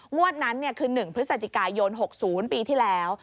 นั้นคือ๑พฤศจิกายน๖๐ปีที่แล้ว